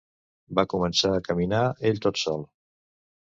Va començar a caminar ell tot sol.